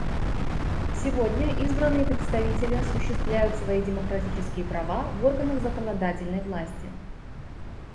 Сегодня избранные представители осуществляют свои демократические права в органах законодательной власти.